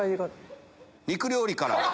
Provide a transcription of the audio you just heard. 肉料理から。